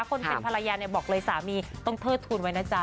คนเป็นภรรยาเนี่ยบอกเลยสามีต้องเทิดทุนไว้นะจ๊